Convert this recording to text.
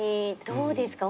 どうですか？